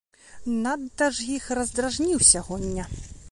Надта ж іх раздражніў сягоння.